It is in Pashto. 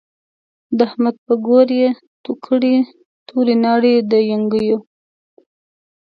د احمد په ګور يې تو کړی، توری ناړی د يڼکيو